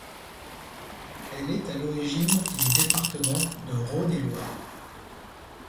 Elle est à l'origine du département de Rhône-et-Loire.